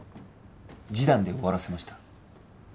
示談で終わらせました？